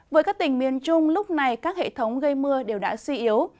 với các tỉnh miền trung lúc này các hệ thống gây mưa đều đã suy yếu